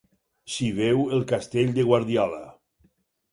S'hi veu el castell de Guardiola.